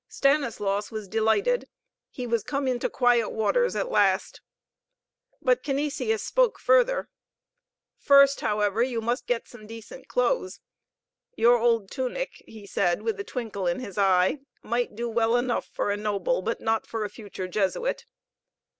Stanislaus was delighted. He was come into quiet waters at last. But Canisius spoke further: "First, however, you must get some decent clothes. Your old tunic," he said, with a twinkle in his eye, "might do well enough for a noble, but not for a future Jesuit."